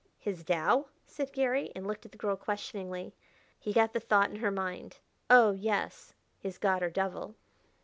"His Tao?" said Garry, and looked at the girl questioningly. He got the thought in her mind. "Oh, yes his god, or devil."